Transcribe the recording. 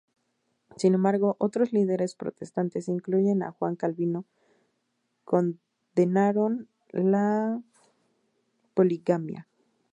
Sin embargo, otros líderes protestantes, incluyendo a Juan Calvino, condenaron la poligamia.